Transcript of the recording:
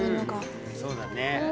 そうだね。